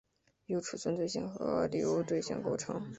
由存储对象和流对象构成。